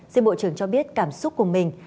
xin bộ trưởng cho biết cảm xúc của mình